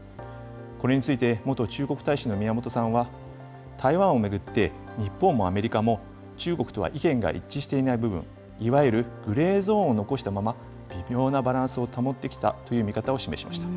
これについて、元中国大使の宮本さんは、台湾を巡って、日本もアメリカも中国との意見が一致していない部分、いわゆるグレーゾーンを残したまま、微妙なバランスを保ってきたという見方を示しました。